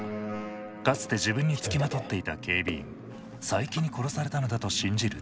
かつて自分につきまとっていた警備員佐伯に殺されたのだと信じる徹生。